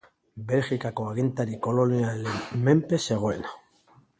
Belgikako agintari kolonialen menpe zegoen.